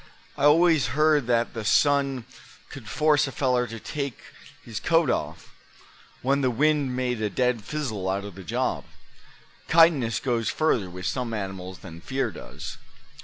I always heard that the sun c'd force a feller to take his coat off, when the wind made a dead fizzle out of the job. Kindness goes further with some animals than fear does."